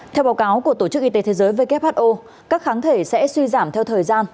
theo báo cáo của tổ chức y tế thế giới who các kháng thể sẽ suy giảm theo thời gian